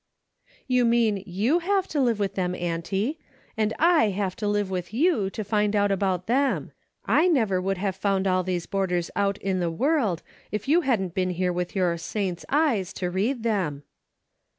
"You mean you have to live with them, auntie, and I have to live with you to find out about them. I never would have found all these boarders out in the world, if you hadn't been here with your 'saint's eyes' to read them."